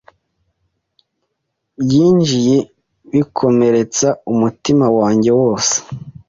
Byinjiye bikomeretsa umutima wanjye wose